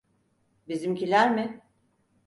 Bizimkiler mi?